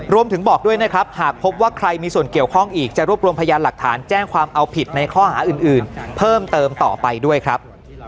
บอกด้วยนะครับหากพบว่าใครมีส่วนเกี่ยวข้องอีกจะรวบรวมพยานหลักฐานแจ้งความเอาผิดในข้อหาอื่นเพิ่มเติมต่อไปด้วยครับ